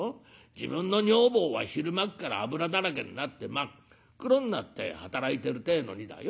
自分の女房は昼間っから油だらけになって真っ黒になって働いてるってえのにだよ